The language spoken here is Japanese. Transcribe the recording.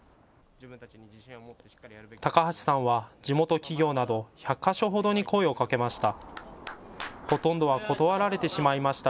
高橋さんは地元企業など１００か所ほどに声をかけました。